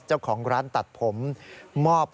เจ้าของร้านตัดผมมอบ